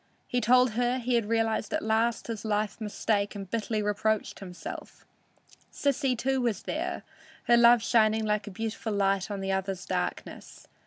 He told her he realized at last his life mistake and bitterly reproached himself. Sissy, too, was there, her love shining like a beautiful light on the other's darkness.